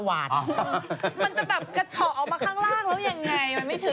มันจะแบบกระเฉาะออกมาข้างล่างแล้วยังไงมันไม่ถึง